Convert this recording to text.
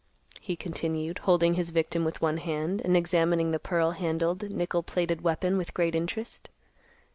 he continued, holding his victim with one hand, and examining the pearl handled, nickel plated weapon with great interest.